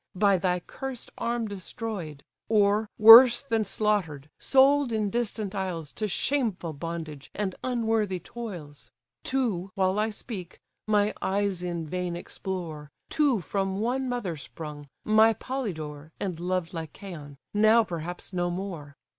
by thy cursed arm destroy'd: Or, worse than slaughtered, sold in distant isles To shameful bondage, and unworthy toils. Two, while I speak, my eyes in vain explore, Two from one mother sprung, my Polydore, And loved Lycaon; now perhaps no more!